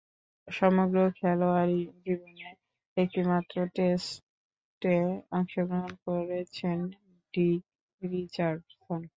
সমগ্র খেলোয়াড়ী জীবনে একটিমাত্র টেস্টে অংশগ্রহণ করেছেন ডিক রিচার্ডসন।